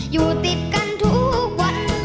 อยู่ติดกันทุกวัน